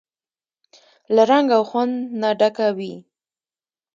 له رنګ او خوند نه ډکه وي.